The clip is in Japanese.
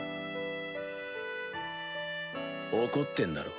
怒ってんだろ？